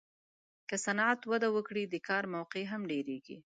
که صنعت وده وکړي، د کار موقعې هم ډېرېږي.